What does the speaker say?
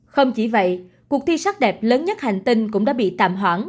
không chỉ vậy cuộc thi sắc đẹp lớn nhất hành tinh cũng đã bị tạm hoãn